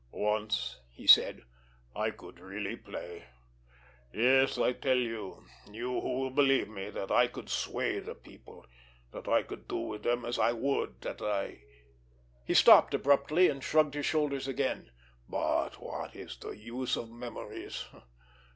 "Once," he said, "I could really play. Yes, I tell you, you who will believe me, that I could sway the people, that I could do with them as I would, that I——" He stopped abruptly, and shrugged his shoulders again. "But what is the use of memories?